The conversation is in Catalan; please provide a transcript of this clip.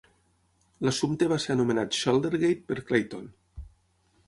L'assumpte va ser anomenat "Shouldergate" per Clayton.